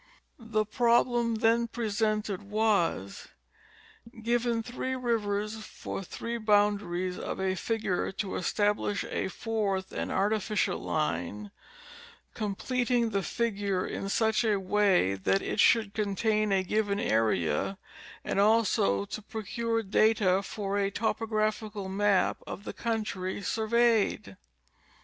The problem then presented was : given three rivers for three boundaries of a figure to establish a fourth and artificial line, completing the figure in such a way that it should contain a given area, and also to procure data for a topographical map of the country surveyed.